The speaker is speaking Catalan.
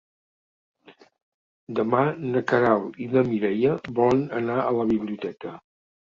Demà na Queralt i na Mireia volen anar a la biblioteca.